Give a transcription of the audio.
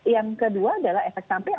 yang kedua adalah efek samping